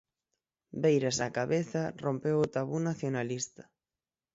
Beiras á cabeza, rompeu o tabú nacionalista.